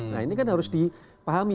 nah ini kan harus dipahami